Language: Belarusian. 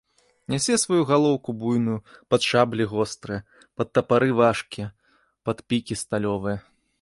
Нясе сваю галоўку буйную пад шаблі гострыя, пад тапары важкія, пад пікі сталёвыя.